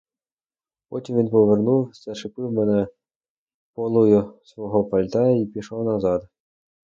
Потім він повернув, зачепив мене полою свого пальта й пішов назад.